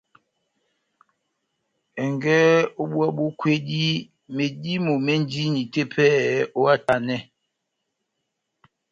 Ɛngɛ ó búwa bó kwédi, medímo médini tepɛhɛ óvahtanɛ ?